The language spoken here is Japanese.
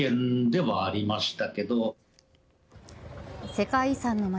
世界遺産の街